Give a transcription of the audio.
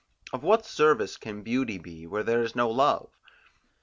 Of what service can beauty be, where there is no love?